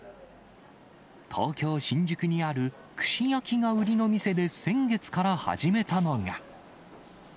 東京・新宿にある串焼きが売りの店で先月から始めたのが。